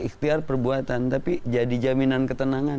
ikhtiar perbuatan tapi jadi jaminan ketenangan